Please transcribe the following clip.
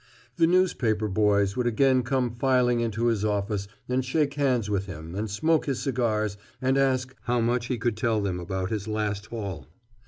The newspaper boys would again come filing into his office and shake hands with him and smoke his cigars and ask how much he could tell them about his last haul.